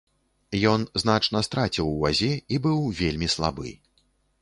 Ён значна страціў у вазе і быў вельмі слабы.